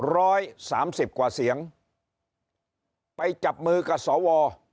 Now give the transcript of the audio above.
ร้อยสามสิบกว่าเสียงไปจับมือกับสว